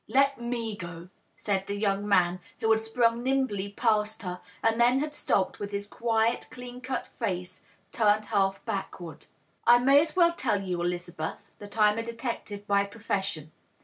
" Let me go," said the young man, who had sprung nimbly past her, and then had stopped, with his quiet, clean cut face turned half backward. " I may as well tell you, Elizabeth, that I'm a detective by profession.